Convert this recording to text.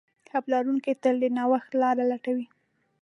ښه پلورونکی تل د نوښت لاره لټوي.